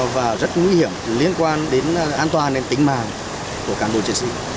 và rất nguy hiểm liên quan đến an toàn nên tính màng của cản bộ triển sĩ